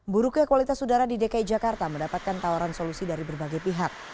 buruknya kualitas udara di dki jakarta mendapatkan tawaran solusi dari berbagai pihak